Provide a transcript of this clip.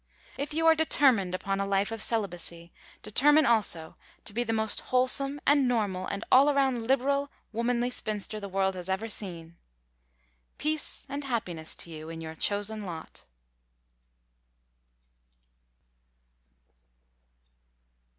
If you are determined upon a life of celibacy, determine also to be the most wholesome, and normal, and all around liberal, womanly spinster the world has ever seen. Peace and happiness to you in your chosen lot.